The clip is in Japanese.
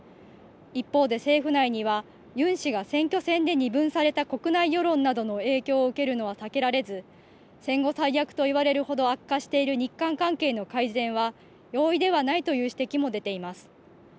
一方で政府内にはユン氏が選挙戦で二分された国内世論などの影響を受けるのは避けられず戦後最悪といわれるほど悪化している日韓関係の改善は容易ではないという指摘も出ています。